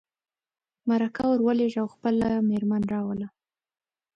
مرکه ور ولېږه او خپله مېرمن راوله.